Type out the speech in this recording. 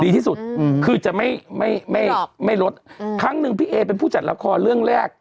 ที่สุดอืมคือจะไม่ไม่ลดครั้งหนึ่งพี่เอเป็นผู้จัดละครเรื่องแรก